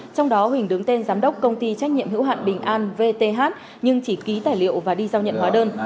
trong đó huỳnh đứng tên giám đốc công ty trách nhiệm hữu hạn bình an vth nhưng chỉ ký tài liệu và đi giao nhận hóa đơn